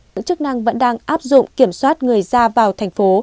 cơ quan chức năng vẫn đang áp dụng kiểm soát người ra vào thành phố